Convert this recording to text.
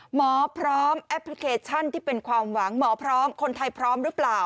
หมอพร้อมแอปพลิเคชันที่เป็นความหวังหมอพร้อมคนไทยพร้อมหรือเปล่า